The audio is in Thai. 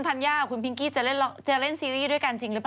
มั้ย